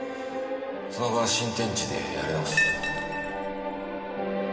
その後は新天地でやり直す。